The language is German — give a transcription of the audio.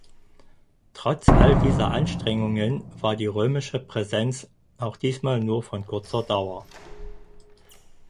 Trotz all dieser Anstrengungen war die römische Präsens auch diesmal nur von kurzer Dauer.